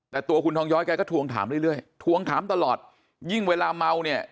แต่ตัวคุณทองย้อยแกก็ทวงถามเรื่อยเรื่อยทวงถามตลอดยิ่งเวลาเมาเนี่ย